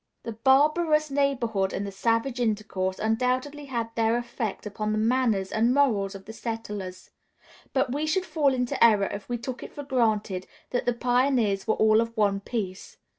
] The "barbarous neighborhood" and the "savage intercourse" undoubtedly had their effect upon the manners and morals of the settlers; but we should fall into error if we took it for granted that the pioneers were all of one piece.